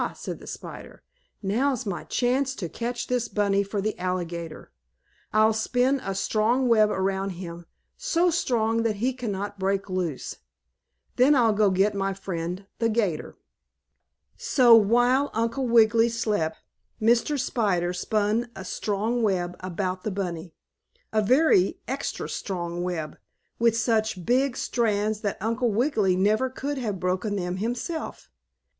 said the spider. "Now's my chance to catch this bunny for the alligator. I'll spin a strong web around him, so strong that he cannot break loose. Then I'll go get my friend, the 'gator." So while Uncle Wiggily slept, Mr. Spider spun a strong web about the bunny a very extra strong web, with such big strands that Uncle Wiggily never could have broken them himself.